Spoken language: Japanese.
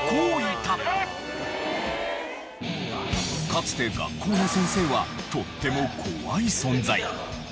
かつて学校の先生はとっても怖い存在。